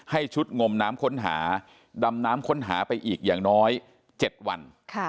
ชุดงมน้ำค้นหาดำน้ำค้นหาไปอีกอย่างน้อย๗วัน